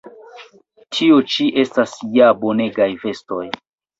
Tio ĉi estas ja bonegaj vestoj!